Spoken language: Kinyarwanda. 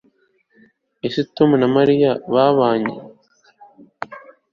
Ese Tom na Mariya babanye